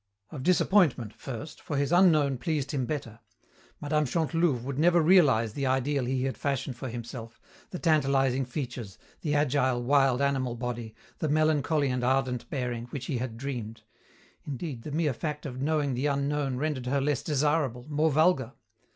Of disappointment, first, for his unknown pleased him better. Mme. Chantelouve would never realize the ideal he had fashioned for himself, the tantalizing features, the agile, wild animal body, the melancholy and ardent bearing, which he had dreamed. Indeed, the mere fact of knowing the unknown rendered her less desirable, more vulgar.